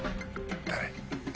誰？